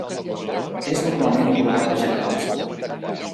És normalment atorgada als Generals.